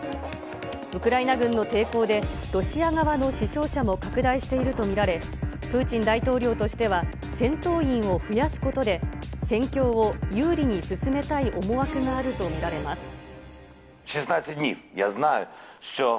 ウクライナ軍の抵抗で、ロシア側の死傷者も拡大していると見られ、プーチン大統領としては、戦闘員を増やすことで、戦況を有利に進めたい思惑があると見られます。